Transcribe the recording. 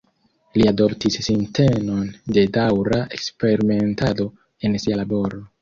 Li adoptis sintenon de daŭra eksperimentado en sia laboro.